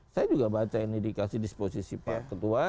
saya juga baca ini dikasih disposisi pak ketua